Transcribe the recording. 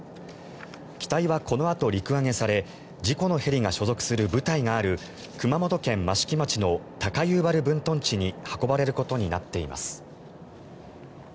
機体はこのあと陸揚げされ事故のヘリが所属する部隊がある熊本県益城町の高遊原分屯地に運ばれることになっています。